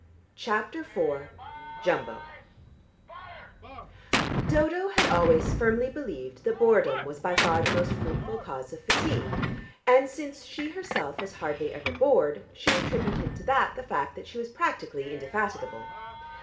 CHAPTER IV JUMBO Dodo had always firmly believed that boredom was by far the most fruitful cause of fatigue, and since she herself was hardly ever bored, she attributed to that the fact that she was practically indefatigable.